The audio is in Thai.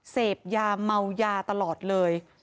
เสพยาเมายาตลอดเลย